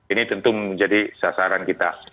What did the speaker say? ini tentu menjadi sasaran kita